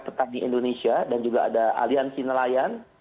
tetap di indonesia dan juga ada aliansi nelayan